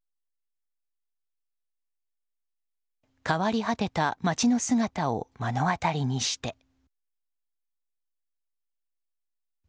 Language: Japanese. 変わり果てた街の姿を目の当たりにして。